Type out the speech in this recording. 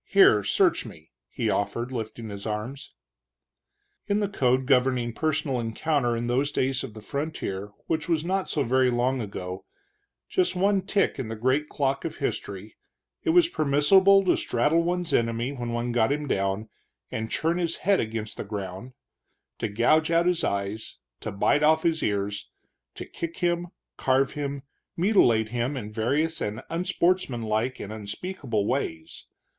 "Here search me," he offered, lifting his arms. In the code governing personal encounter in those days of the frontier, which was not so very long ago, just one tick in the great clock of history, it was permissible to straddle one's enemy when one got him down, and churn his head against the ground; to gouge out his eyes; to bite off his ears; to kick him, carve him, mutilate him in various and unsportsman like and unspeakable ways.